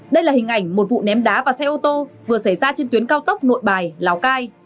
đây là hình ảnh một vụ ném đá vào xe ô tô vừa xảy ra trên tuyến cao tốc nội bài lào cai